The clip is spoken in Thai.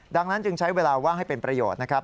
ดังนั้นจึงใช้เวลาว่างให้เป็นประโยชน์นะครับ